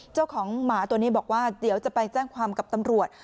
เจ้าของหมาตัวนี้บอกว่าเดี๋ยวจะไปแจ้งความกับตำรวจ